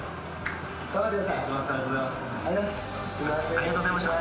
ありがとうございます。